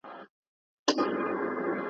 يوه روښانه راتلونکې جوړه کړو.